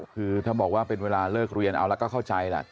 คือถ้าบอกว่าเป็นเวลาเลิกเรียนเอาแล้วก็เข้าใจแหละ